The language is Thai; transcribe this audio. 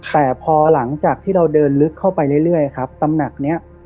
แต่พอหลังจากที่เราเดินลึกเข้าไปเรื่อยครับตำหนักนี้